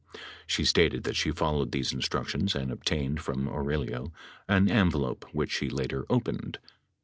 She stated that she followed these instructions and obtained from Aurelio an envelope which she later opened.